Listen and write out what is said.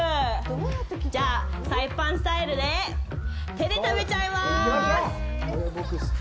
じゃあ、サイパンスタイルで手で食べちゃいまーす！